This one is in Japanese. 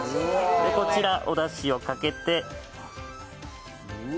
こちら、おだしをかけて。